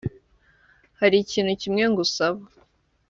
hari ikintu kimwe ngusaba